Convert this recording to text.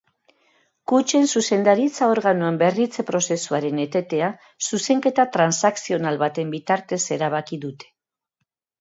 Kutxen zuzendaritza organoen berritze-prozesuaren etetea zuzenketa transakzional baten bitartez erabaki dute.